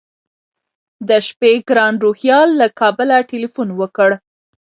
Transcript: د شپې ګران روهیال له کابله تیلفون وکړ.